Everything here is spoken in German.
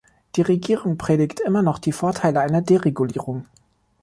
Die Regierung predigt immer noch die Vorteile einer Deregulierung.